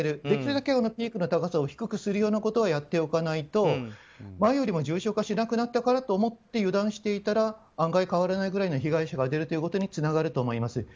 できるだけピークの高さを低くするようなことはやっておかないと、前よりも重症化しなくなったからと思って油断していたら案外、変わらないくらいの被害者が出るということにつながると思います。